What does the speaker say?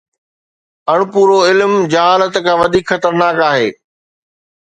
اڻپورو علم جهالت کان وڌيڪ خطرناڪ آهي.